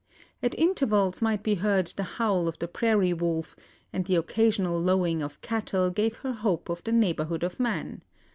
At intervals might be heard the howl of the prairie wolf, and the occasional lowing of cattle gave her hope of the neighbourhood of man.